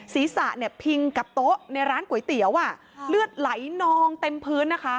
ศีรษะเนี่ยพิงกับโต๊ะในร้านก๋วยเตี๋ยวเลือดไหลนองเต็มพื้นนะคะ